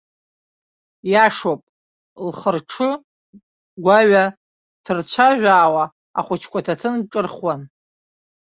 Иашоуп, лхырҽы агәаҩа ҭырцәажәаауа ахәыҷқәа аҭаҭын ҿырхуан.